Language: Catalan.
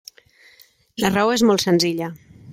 La raó és molt senzilla.